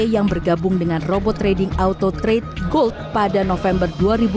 yang bergabung dengan robot trading auto trade gold pada november dua ribu dua puluh